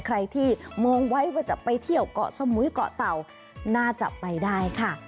ใครที่มองไว้ว่าจะไปเที่ยวเกาะสมุยเกาะเต่าน่าจะไปได้ค่ะ